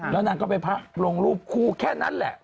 แล้วนางก็ไปลงรูปคู่แค่นั้นแหละ